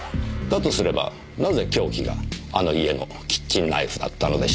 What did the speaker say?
だとすればなぜ凶器があの家のキッチンナイフだったのでしょう。